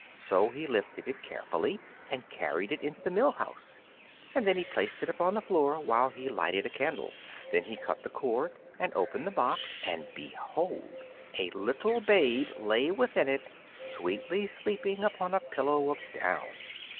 So he lifted it carefully and carried it into the mill house, and then he placed it upon the floor while he lighted a candle. Then he cut the cord and opened the box, and behold! a little babe lay within it, sweetly sleeping upon a pillow of down.